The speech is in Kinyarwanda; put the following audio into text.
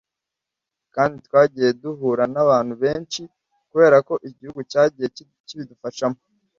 kandi twagiye duhura n’abantu benshi kubera ko igihugu cyagiye kibidufashamo